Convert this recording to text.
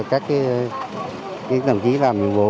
các tầng ký làm nhiệm vụ